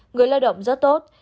người lao động rất tốt